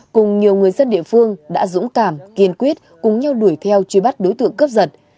cùng nhiều người dân địa phương đã dũng cảm kiên quyết cùng nhau đuổi theo truy bắt đối tượng cướp giật